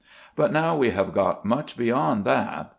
But now we have got much beyond that.